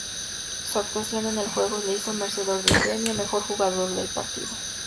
Su actuación en el juego le hizo merecedor del premio Mejor Jugador del Partido.